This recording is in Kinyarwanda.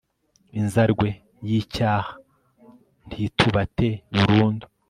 inzarwe y'icyaha ntitubate burundu